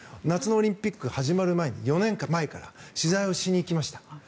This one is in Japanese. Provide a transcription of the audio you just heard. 夏のオリンピックが始まる前の４年前から取材をしに行きました。